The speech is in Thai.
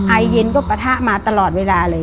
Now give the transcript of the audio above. ไอเย็นก็ปะทะมาตลอดเวลาเลย